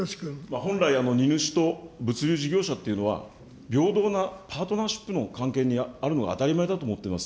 本来、荷主と物流事業者というのは、平等なパートナーシップの関係にあるのが当たり前だと思ってます。